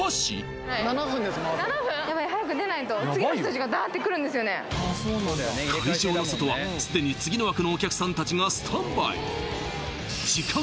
やばい早く出ないと会場の外はすでに次の枠のお客さんたちがスタンバイ時間